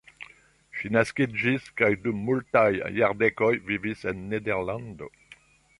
Ŝi naskiĝis kaj dum multaj jardekoj vivis en Nederlando.